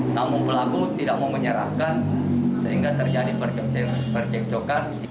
namun pelaku tidak mau menyerahkan sehingga terjadi percekcokan